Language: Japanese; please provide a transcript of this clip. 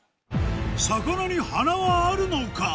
魚に鼻はあるのか？